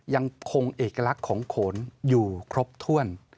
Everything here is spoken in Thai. ยังคงเอกลักษณ์ของโขนอยู่ครบถ้วน